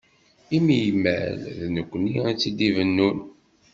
Imi imal d nekkni i t-id-ibennun.